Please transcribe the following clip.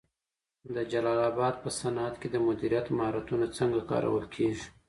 د جلال اباد په صنعت کي د مدیریت مهارتونه څنګه کارول کېږي؟